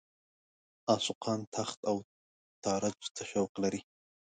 عاشقان تاخت او تاراج ته شوق لري.